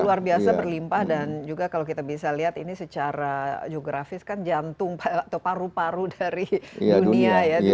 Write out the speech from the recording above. luar biasa berlimpah dan juga kalau kita bisa lihat ini secara geografis kan jantung atau paru paru dari dunia ya